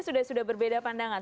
sudah sudah berbeda pandangan